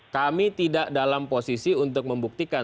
kami tidak dalam posisi untuk membuktikan